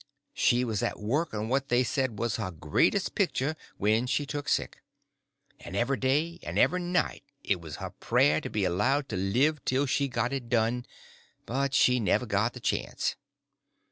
She was at work on what they said was her greatest picture when she took sick, and every day and every night it was her prayer to be allowed to live till she got it done, but she never got the chance.